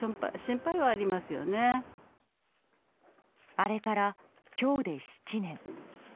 あれから今日で７年。